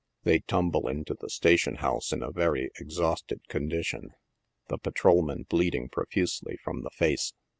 They tumble into the station house in a very exhausted condition, the patrolman bleeding profusely from the face.